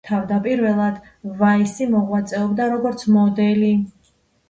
თავდაპირველად ვაისი მოღვაწეობდა როგორც მოდელი.